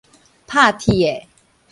拍鐵的